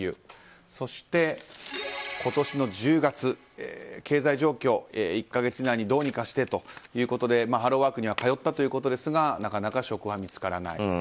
そして、今年の１０月経済状況を１か月以内にどうにかしてということでハローワークには通ったということですがなかなか職は見つからない。